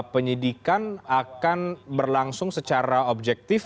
penyidikan akan berjalan objektif